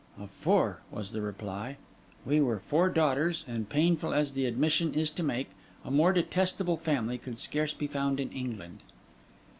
'Of four,' was the reply. 'We were four daughters; and painful as the admission is to make, a more detestable family could scarce be found in England.